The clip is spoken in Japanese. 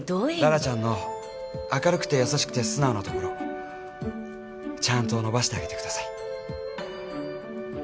羅羅ちゃんの明るくて優しくて素直なところちゃんと伸ばしてあげてください。